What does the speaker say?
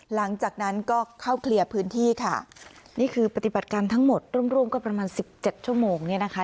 หลังจากนั้นก็เข้าเคลียร์พื้นที่ค่ะนี่คือปฏิบัติการทั้งหมดร่วมร่วมก็ประมาณสิบเจ็ดชั่วโมงเนี่ยนะคะ